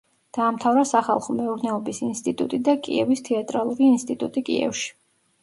დაამთავრა სახალხო მეურნეობის ინსტიტუტი და კიევის თეატრალური ინსტიტუტი კიევში.